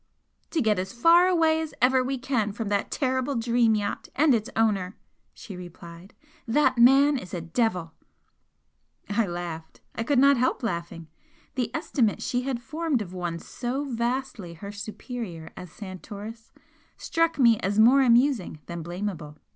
"To get as far away as ever we can from that terrible 'Dream' yacht and its owner!" she replied "That man is a devil!" I laughed. I could not help laughing. The estimate she had formed of one so vastly her superior as Santoris struck me as more amusing than blamable.